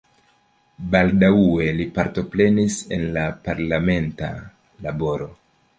Baldaŭe li partoprenis en la parlamenta laboro.